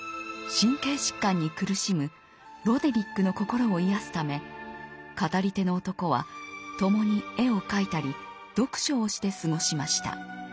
神経疾患に苦しむロデリックの心を癒やすため語り手の男は共に絵を描いたり読書をして過ごしました。